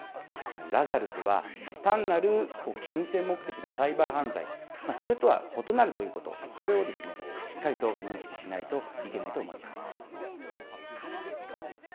ラザルスは単なる金銭目的のサイバー犯罪、それとは異なるということ、これをしっかりと認識しないといけないと思います。